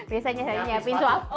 biasanya saya nyapin sepatu